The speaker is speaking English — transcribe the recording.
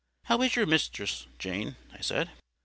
"How is your mistress, Jane?" I said.